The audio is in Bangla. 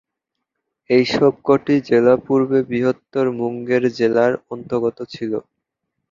এই সব কটি জেলা পূর্বে বৃহত্তর মুঙ্গের জেলার অন্তর্গত ছিল।